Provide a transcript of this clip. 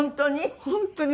本当に？